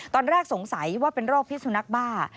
ตอนแรกสงสัยว่าเป็นโรคพิสุนักบ้า